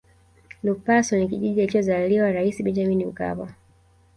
lupaso ni kijiji alichozaliwa rais benjamin mkapa